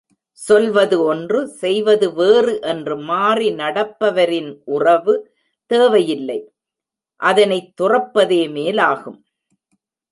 சொல்வது ஒன்று, செய்வது வேறு என்று மாறி நடப்பவரின் உறவு தேவை இல்லை அதனைத்துறப்பதே மேலாகும்.